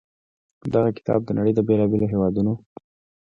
دغه کتاب د نړۍ د بېلا بېلو هېوادونو